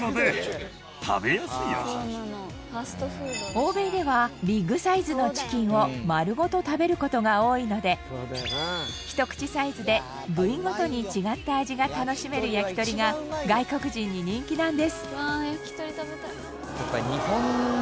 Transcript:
欧米ではビッグサイズのチキンを丸ごと食べる事が多いので一口サイズで部位ごとに違った味が楽しめる焼き鳥が外国人に人気なんです。